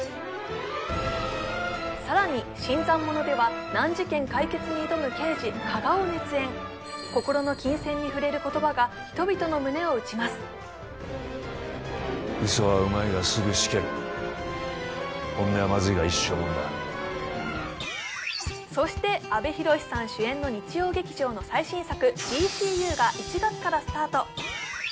さらに「新参者」では難事件解決に挑む刑事加賀を熱演心の琴線に触れる言葉が人々の胸を打ちますウソはうまいがすぐしける本音はマズいが一生もんだそして阿部寛さん主演の日曜劇場の最新作「ＤＣＵ」が１月からスタート